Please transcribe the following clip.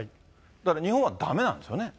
だから日本はだめなんですよね。